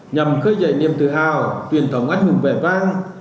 nhằm khơi dậy niềm tự hào tuyển thống ánh hùng vẻ vang